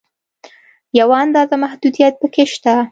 یوه اندازه محدودیت په کې شته.